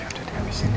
ya udah dihabisin ya